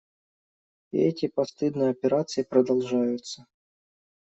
И эти постыдные операции продолжаются.